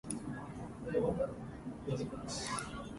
hello